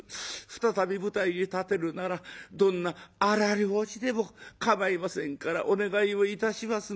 再び舞台へ立てるならどんな荒療治でもかまいませんからお願いをいたしますので」。